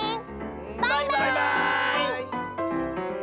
バイバーイ！